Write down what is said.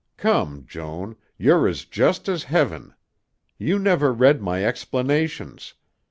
Come, Joan, you're as just as Heaven. You never read my explanations.